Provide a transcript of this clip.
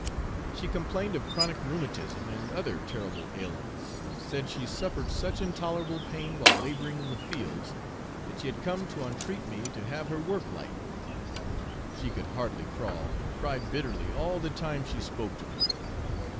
She complained of chronic rheumatism, and other terrible ailments, and said she suffered such intolerable pain while labouring in the fields, that she had come to entreat me to have her work lightened. She could hardly crawl, and cried bitterly all the time she spoke to me.